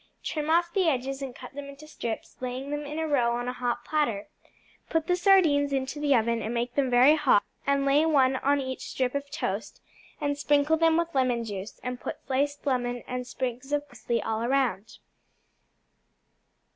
Trim off the edges and cut them into strips, laying them in a row on a hot platter. Put the sardines into the oven and make them very hot, and lay one on each strip of toast and sprinkle them with lemon juice, and put sliced lemon and sprigs of parsley all around.